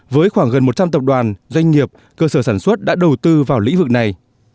với khoảng gần một trăm linh tập đoàn doanh nghiệp cơ sở sản xuất đã đầu tư vào lĩnh vực này